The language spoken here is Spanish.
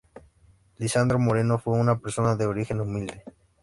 Lisandro Moreno fue una persona de origen humilde.